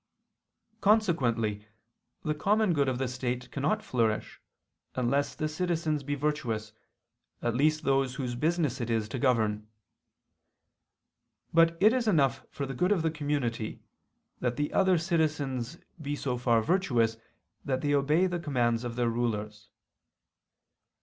Consequently the common good of the state cannot flourish, unless the citizens be virtuous, at least those whose business it is to govern. But it is enough for the good of the community, that the other citizens be so far virtuous that they obey the commands of their rulers.